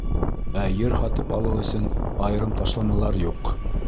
Ә ер һатып алыу өсөн айырым ташламалар юҡ.